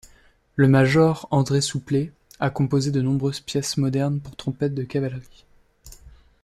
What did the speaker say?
Le major André Souplet a composé de nombreuses pièces modernes pour trompette de cavalerie.